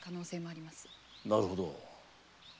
なるほど。